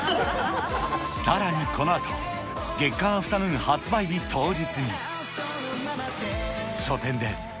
さらにこのあと、月刊アフタヌーン発売日当日。